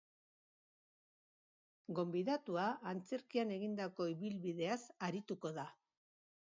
Gonbidatua antzerkian egindako ibilbideaz arituko da.